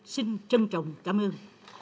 xin trân trọng cảm ơn